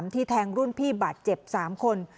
ที่แทงรุ่นพี่บาดเจ็บ๓คน